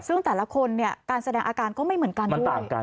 ซึ่งแต่ละคนเนี่ยการแสดงอาการก็ไม่เหมือนกันด้วยต่างกัน